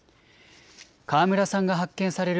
川村さんが発見される